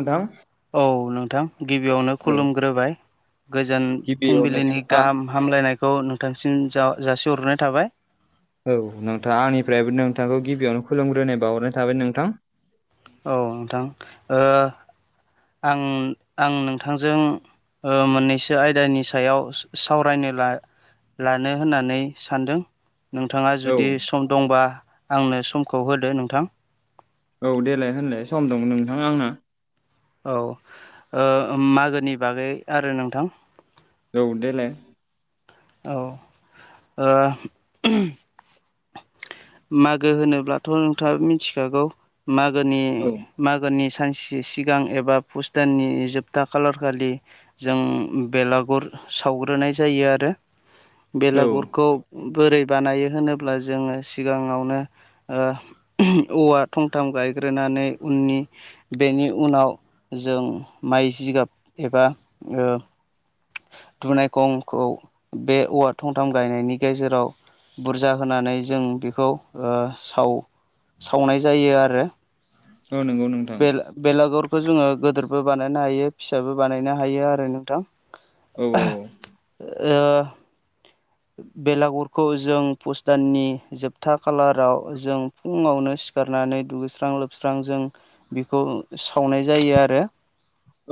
नोंथां औ नोंथां गिबियावनो औ खुलुमग्रोबाय गोजोन गिबियावनो फुंबिलिनि आ गाहाम हा हामलायनायखौ नोंथांसिम जा जासिहररनाय थाबाय औ नोंथांङा आंनिफ्रायबो नोंथांखौ गिबियावनो खुलुमग्रोनाय बाहरनाय थाबाय नोंथां। औ नोंथां आं आं नोंथांजों ओ मोननैसो आयदानि सायाव ओ सावरायनो लानो होननानै सानदों नोंथाङा औ जुदि सम दंबा आंनो समखौ होदो नोंथां। औ देलाय होनलाय सम दं नोंथां आंहा। औ मागोनि बागै आरो नोंथां। औ देलाय ओ औ ओ मागो होनोब्लाथ' नोंथांङा मिथिखागौ मागोनि औ मागोनि सानसे सिगां एबा भुस दाननि जोबथा खालारखालि ओ जों बेलागुर सावग्रोनाय जायो आरो। औ बेलागुरखौ बोरै बानायो होनोब्ला जोंङो सि सिगांङावनो ओ औवा थंथाम गायग्रोनानै उननि बेनि उनाव जों माइ जिगाब एबा ओ दुनायखंखौ बे औवा थंथाम गायनायनि गेजेराव बुरजा होनानै जों बेखौ साव सावनाय जायो आरो। औ नंगौ नों बे बेलागरखौ जोंङो गोदोरबो बानायनो हायो फिसाबो बानायनो हायो आरो नोंथां। औ औ। ओ बेलागुरखौ जों पुस दाननि जोबथा खालाराव जों फुङावनो सिखारनानै दुगैस्रां लोबस्रां जों बिखौ सावनाय जायो आरो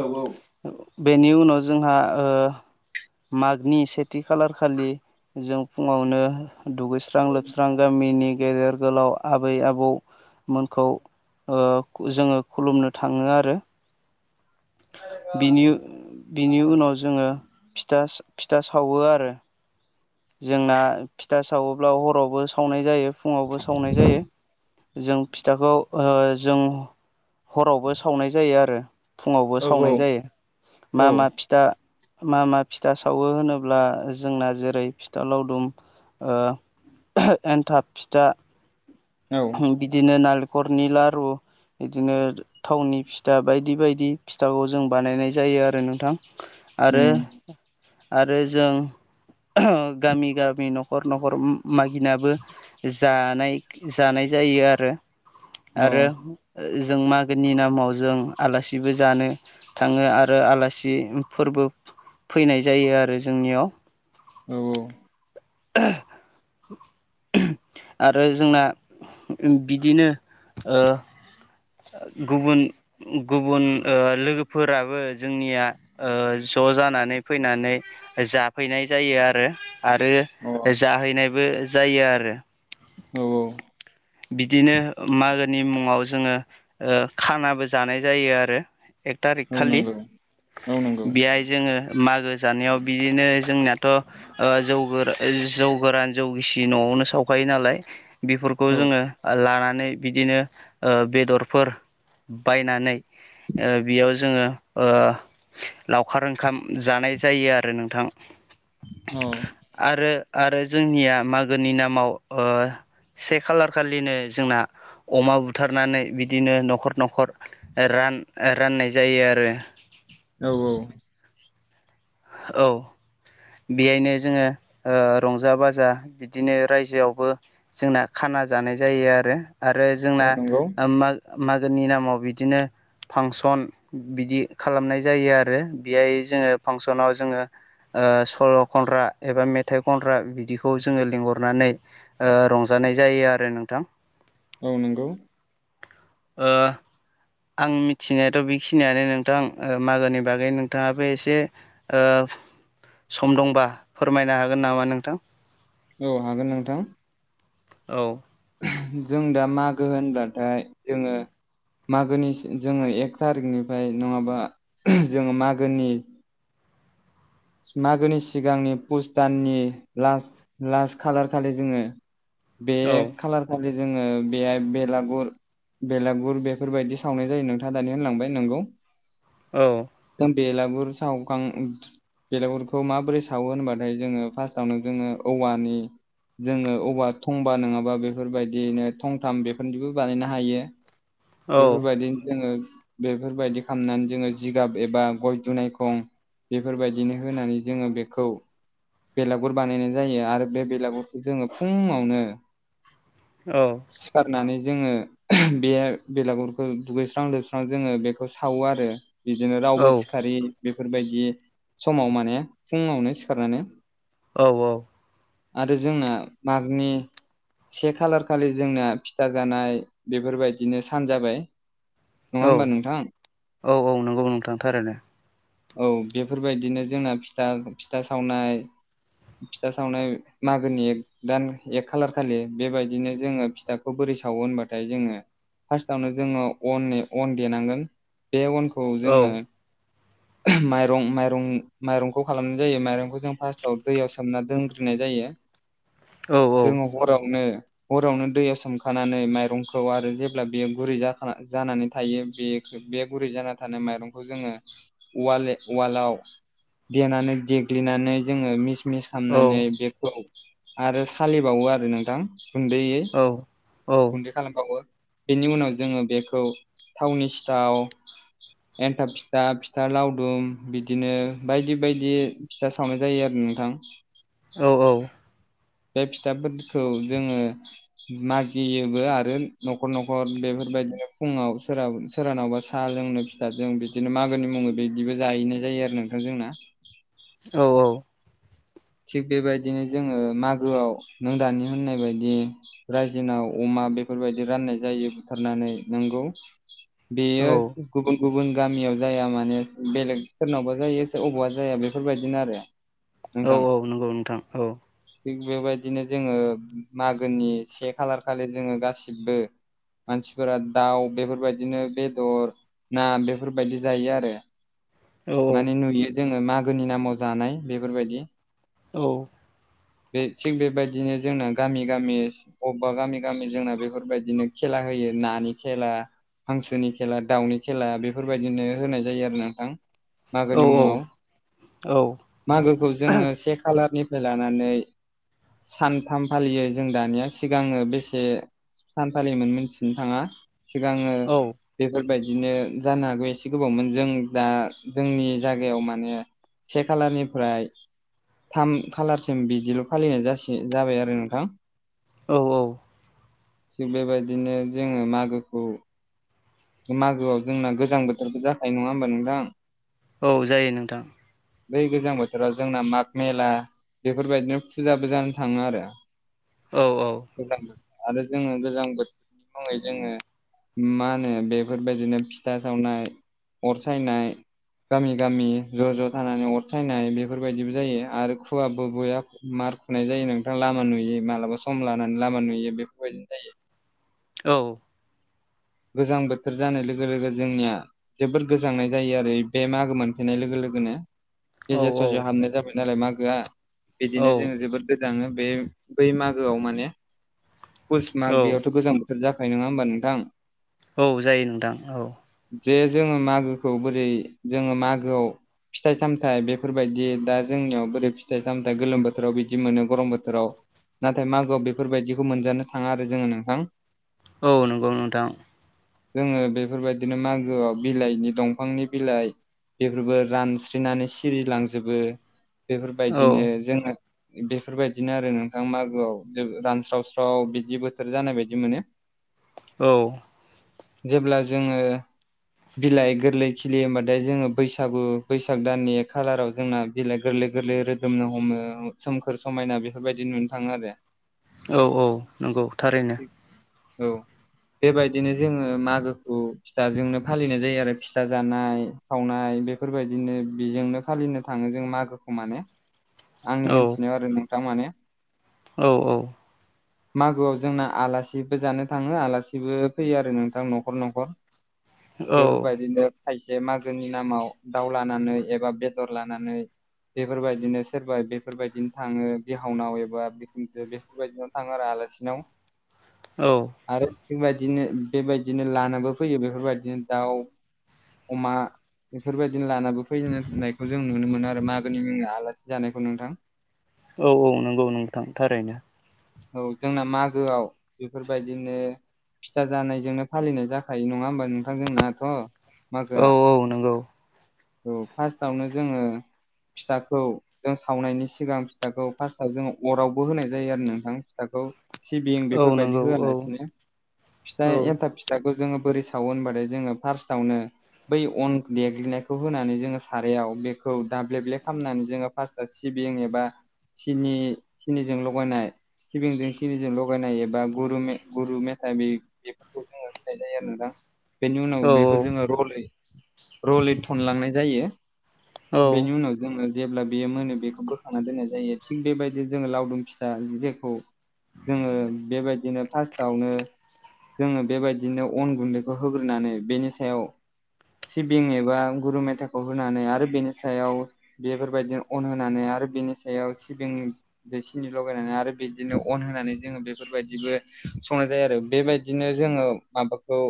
औ औ बेनि उनाव जोंहा ओ मागनि सेथि खालार खालि जों फुङावनो दुगैस्रां लोबस्रां गामिनि गेदेर गोलाव आबै आबौमोनखौ। ओ जोंङो खुलुमनो थांङो आरो बिनि बिनि उनाव जोंङो फिथा सावो आरो ओ जोंना फिथा सावोब्ला हरावबो सावनाय जायो फुंङावबो सावनाय जायो जों फिथाखौ जों हरावबो सावनाय जायो आरो। फुङावबो औ औ सावनाय जायो मा औ मा फिथा मा मा फिथा सावो होनोब्ला जोंना जेरै फिथा लावदुम ओ एनथाब फिथा औ बिदिनो नालेंखरनि लारु ओ बिदिनो थावनि फिथा बायदि बायदि फिथाखौ जों बानायनाय जायो आरो नोंथां। आरो उम आरो जों गामि गामि नखर नखर मागिनाबो जानाय जानाय जायो आरो अ औ आरोथ' ओ जों मागोनि नामाव जों आलासिबो जानो थाङो आरो आलासि फोरबो। फैनाय जायो आरो जोंनियाव। औ। [inaudible] आरो जोंना बिदिनो ओ ओ गुबुन गुबुन ओ लोगोफोराबो जोंनिया ओ ज' जानानै फैनानै जाफैनाय जायो आरो ओ आरो अ जाहैनायबो जायो आरो। औ औ। बिदिनो मागोनि मुङाव जोङो ओ‌ खानाबो जानाय जायो आरो। एक थारिक औ खालि नंगौ औ नंगौ बेहाय जोङो मागो जानायाव बिदिनो जोंनियाथ' ओ ओ जौ गो जौ गोरान जौ गिसि न'वावनो सावखायो नालाय। बेफोरखौ औ अ जोङो लानानै बिदिनो ओ बेदर फोर फोर बायनानै बेयाव जोङो। लावखार ओंखाम जानाय जायो आरो नोंथां। अ आरो आरो जोंनिया मागोनि नामाव ओ से खालार खालिनो जोंना अमा बुथारनानै बि ओ बिदिनो नखर नखर रान राननाय जायो आरो औ औ। औ बेयायनो जोङो रंजा बाजा बिदिनो रायजोआवबो ओ जोंना खाना जानाय जायो आरो आरो जोंना नंगौ मागो गोनि नामाव बिदिनो फांसन बिदि खालामनाय जायो आरो बेहाय जोङो फांसनाव जोङो ओ ओ सल' खनग्रा एबा मेथाइ खनग्रा बिदिखौ जोङो लिंहरनानै ओ रंजानाय जायो आरो नोंथां। औ नंगौ ओ आं मिथिनायाथ' बेखिनियानो नोंथां ओ मागोनि बागै नोंथाङाबो एसेओ ओ सम दंबा फोरमायनो हागोन नामा नोंथां? औ हागोन नोंथां। औ जों दा मागो होनब्लाथाय जोङो ओ मागोनि जोङो एक थारिकनिफ्राय [unintelligible] नङाबा जोङो मागोनि मागोनि सिगांनि पुस दाननि लास लास्ट खालार खालि जोङो अ बे औ खालार खालि जोङो बेयाय बेलागुर बेलागुर बेफोरबायदि सावनाय जायो नोंथाङा दानि होनलांबाय नंगौ ओ। दा बेलागुर सावखां बेलेगुरखौ माबोरै सावो होनबाथाय जोङो फार्स्टआवनो जोङो औवानि जोङो अबेबा थंबा नङाबा बेफोरबादियैनो थंथाम बेफोरनिबो बानायनो हायो। औ बेफोरबादिनो जोङो बेफोरबादि खालामनानै जोङो जि गाब एबा गय दुनायखं बेफोरबायदिनो होनानै जोङो बेखौ बेलागुर बानायनाय जायो आरो बे बेलागुरखौ जोङो फुङावनो औ। सिखारनानै जोङो [unintelligible] बे बेलागुरखौ दुगैस्रां लोबस्रां जोङो बेखौ सावो आरो बिदिनो रावबो सिखार बेफोरबायदि समाव माने फुङावनो सिखारनानै औ औ। आरो जोंना मागनि से खालार खालि जोंना फिथा जानाय बेफोरबायदिनो सान जाबाय। नङा औ होमबा नोंथां? औ औ नंगौ नोंथां थारैनो ओ। औ बेफोरबादिनो जोंना फिथा फिथा सावनाय फिथा सावनाय मागोनि एक दान एक खालार खालि बेबायदिनो जोङो फिथाखौ खौ बोरै सावोब होनबाथाय जोङो फास्टावनो जोङो अननि अन देनांगोन बे अनखौ खौ औ जोङो माइरं माइरं माइरंखौ खालामनाय जायो माइरंखौ जों फार्स्टआव दैयाव सोमना दोनग्रोनाय जायो। औ जोङो हरावनो हरावनो दैयाव सोमखानानै माइरंखौ आरो जेब्ला बेयो गुरै जाख जानानै थायो बे बे गुरै जाना थानाय माइरंखौ जोङो ओ वाल वालाव देनानै देग्लिनानै जोङो मिस मिस औ खामनानै बेखौ आरो सालिबावो आरो नोंथां गुन्दैयै। अ औ [unintelligible] खालामबावो बेनि उनाव जोङो बेखौ थावनि सिथाव एन्थाब फिथा फिथा लावदुम बिदिनो बायदि बायदि फिथा सावनाय जायो आरो नोंथां। औ औ। बे फिथाफोरखौ जोङो मागियोबो आरो न'खर न'खर बेफोरबायदिनो फुङाव सोराबो सोरानावबा सा लोंनो फिथाजों बिदिनो मागोनि मुङै बे बिदिबो जाहैनाय जायो आरो नोंथां जोंना। औ औ। थिग बेबायदिनो जोङो मागोआव नों दानि होननाय बायदि रायजोनाव अमा बेफोरबायदि राननाय जायो बुथारनानै नोंगौ। औ बेयो गुबुन गुबुन गामियाव जाया माने बेलेग सोरनावबा जायो अबावबा जाया बेफोरबायदिनो आरो। औ नोंथां औ नंगौ नोंथां औ। थिग बेबायदिनो जोङो मागोनि से खालार खालि जोङो गासिबो मानसिफोरा दाउ बेफोरबायदिनो बेदर ना बेफोरबायदि जायो आरो। औ माने नुयो जोङो मागोनि नामाव जानाय बेफोरबायदि। औ। बे थिग बेबायदिनो जोंना गामि गामि अबबा गामि गामि जोंना बेफोरबायदिनो खेला होयो नानि खेला हांसोनि खेला दाउनि खेला बेफोरबायदिनो होनाय जायो आरो नोंथां। औ मागोनि मुङाव। औ मागोखौ जोङो से खालारनिफ्राय लानानै सानथाम फालियो जों दानिया सिगाङो बेसे सान फालिमोन मिथिनो थाङा सिगाङो बेफोरबायदिनो जानो हागौ एसे गोबावमोन। जों दा जोंनि जागायाव माने से खालानिफ्राय थाम खालारसिम बिदिल फालिनाय जासि जाबाय आरो नोंथां। औ औ। थिग बेबायदिनो जोङो मागोखौ मागोआव जोंना गोजां बोथोरबो जाखायो नङा होमबा नोंथां? औ जायो नोंथां। बै गोजां बोथोराव जोंना माग मेला बेफोरबायदिनो फुजाबो जानो थाङो आरो। औ औ। गोजां बोथोर आरो जोङो गोजां बोथोरनि मुङै जोङो मा होनो बेफोरबायदिनो फिथा सावनाय अर सायनाय गामि गामि ज' ज' थानानै अरसायनाय बेफोरबायदिबो जायो आरो खुवाबो ब'या मार नाय जायो नोंथां लामा नुयि मालाबा सम लानानै लामा नुयि बेफोरबायदिनो जायो। औ। गोजां बोथोर जानाय लोगो लोगो जोंनिया जोबोर गोजांनाय जायो आरो बे मागो मोनफैनाय लोगो लोगोनो। औ गेजेर ससेयाव हाबनाय जाबाय नालाय मागोआ बिदिनो जोङो जोबोर गोजाङो बे बै मागोआव माने पुस माग बेयावथ' गोजां बो थोर जाखायो नङा होमबा नोंथां? औ जायो नोंथां औ। जे जोङो मागोखौ बोरै जोङो मागोआव फिथाइ सामथायाइ बेफोरबायदि दा जोंनियाव बोरै फिथाइ सामथायाइ गोलोम बोथोराव बिदि मोनो गरम बोथोराव। नाथाय मागोआव बेफोरबायदिखौ मोनजानो थाङा आरो जोङो नोंथां। औ नोंगौ नोंथां‌। जोङो बेफोरबायदिनो मागोआव बिलाइनि दंफांनि बिलाइ बेफोरबो रानस्रिनानै सिरिलांजोबो औ बेफोरबायदिनो जोङो बेफोरबायदिनो आरो नोंथां मागोआव जों रानस्रावस्राव बिदि बोथोर जानाय बायदि मोनो। औ। जेब्ला जोङो बिलाइ गोरलै खिलियो होमबाथाय जोङो बैसागु बैसाग दाननि एक खालाराव जोंना बिलाइ गोरलै गोरलै रोदोमनो हमो सोमखोर समायना बेफोरबायदि नुनो थाङो आरो औ औ नंगौ थारैनो औ बेबायदिनो जोङो मागोखौ फिथाजोंनो फालिनाय जायो आरो फिथा जानाय सावनाय बेफोरबायदिनो बेजोंनो फालिनो थाङो जों मागोखौ माने आंनि मोनथिनायाव आरो नोंथां माने औ औ मागोआव जोंना आलासिबो जानो थाङो आलासि आलासिबो फैयो आरो नोंथां न'खर न'खर औ बेफोरबायदिनो खायसे मागोनि नामाव दाउ लानानै एबा बेदर लानानै बेफोरबायदिनो सोरबा बेफोरबायदिनो थाङो बिहावनाव एबा बिखुनजो बेफोरबायदिनो थाङो आरो आलासिनाव औ आरो बेबायदिनो बेबायदिनो लानोबो फैयो बेफोरबायदिनो दाउ अमा बेफोरबायदिनो लानाबो फैहोननायखौ जों नुनो मोनो आरो मागोनि मुङाव आलासि जानायखौ नोंथां औ औ नंगौ नोंथां थारैनो औ जोंना मागोआव बेफोरबायदिनो फिथा जानायजोंनो फालिनाय जाखायो नङा होमबा नोंथां जोंनाथ' औ मागोआ औ नंगौ औ फार्स्टावनो जोङो फिथाखौ जों सावनायनि सिगां फिथाखौ फार्स्टआव जों अरावबो होनाय जायो आरो न फिथाखौ सिबिं औ बेफोरबायदि नंगौ औ होआलासिनो फिथा औ एन्थाब फिथाखौ जोङो बोरै सावो होनबाथाय जोङो फार्स्टआवनो बै अन देग्लिनायखौ होनानै जोङो सारायाव बेखौ दाब्लेब्ले खालामनानै जोङो फार्स्ट सिबिं एबा सिनि सिनिजों लगायनाय सिबिंजों सिनिजों लगायनाय एबा गुरु गुरु मेथाइ बेफोरखौ जोङो होनाय जायो आरो नोंथां बेनि उनाव औ बेखौ जोङो रलै रलै थनलांनाय जायो बेनि उनाव जोङो जेब्ला बेयो मोनो बेखौ बोखांना दोननाय जायो थिग बेबायदि जोङो लावदुम फिथा ज जोङो बेबायदिनो फार्स्टआवनो जोनो बेबायदिनो अन गुन्दैखौ होग्रोनानै बेनि सायाव सिबिं एबा गुरु मेथाखौ होनानै आरो बेनि सायाव बेफोरबायदिनो अन होनानै आरो बेनि सायाव सिबिं दै सिनि लगायनानै आरो बे बिदिनो अन होनानै जोङो बेफोरबायदिबो संनाय जायो आरो बेबायदिनो जोङो माबाखौ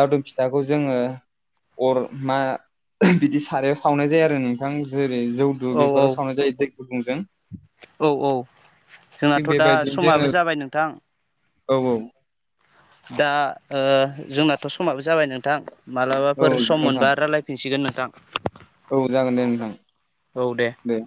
लावदुम फिथाखौ जोङो अर मा बिदि सारायाव सावनाय जायो आरो नोंथां जेरै जौ औ [unintelligible] बेफोराव सावनाय जायो दै गुदुंजों औ औ थिग जोंनाथ' दा बेबायदिनो जोङो समाबो जाबाय नोंथां औ औ दा जोंनाथ' समाबो जाबाय नोंथां औ मालाबाफोर सम नोंथां मोनबा रायलाय फिनसिगोन नोंथां औ जागोन दे नोंथां दे